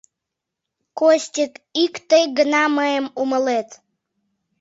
«Костик, ик тый гына мыйым умылет».